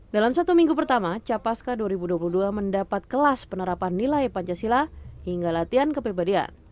dalam satu minggu pertama capaska dua ribu dua puluh dua mendapat kelas penerapan nilai pancasila hingga latihan kepribadian